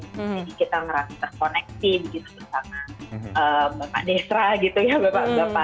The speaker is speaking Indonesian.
jadi kita ngerasa terkoneksi begitu bersama bapak desra gitu ya bapak dubes kita